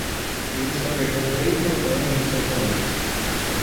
Ele só perdeu três botões de seu colete.